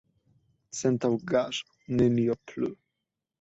Sentaŭgaĵo, nenio plu!